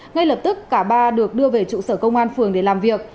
ngay lập tức cả ba được đưa về trụ sở công an phường để làm việc